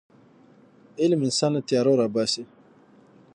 علم انسان له تیارو راباسي.